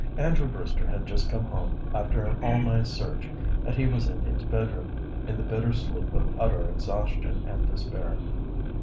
Andrew Brewster had just come home after an all night's search, and he was in his bedroom in the bitter sleep of utter exhaustion and despair.